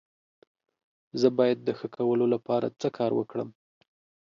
زه باید د ښه کولو لپاره څه کار وکړم؟